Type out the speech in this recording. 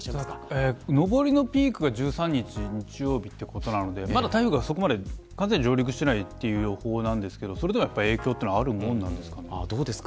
上りのピークが１３日日曜日ということなので、まだ台風がそこまで上陸していないという予報ですがそれでも影響はあるものですか。